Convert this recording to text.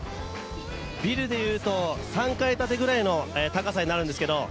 ビルでいうと、３階建てぐらいの高さになるんですけど。